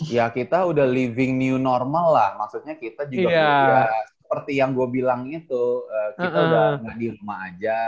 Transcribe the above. ya kita udah living new normal lah maksudnya kita juga seperti yang gue bilang itu kita udah di rumah aja